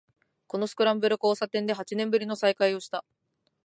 このスクランブル交差点で八年ぶりの再会をした